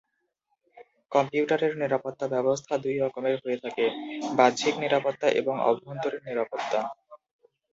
কম্পিউটারের নিরাপত্তা ব্যবস্থা দুই রকমের হয়ে থাকে; বাহ্যিক নিরাপত্তা এবং অভ্যন্তরীণ নিরাপত্তা।